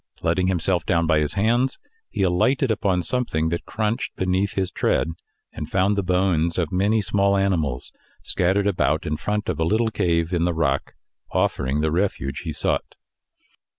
Letting himself down by his hands, he alighted upon something that crunched beneath his tread, and found the bones of many small animals scattered about in front of a little cave in the rock, offering the refuge he sought.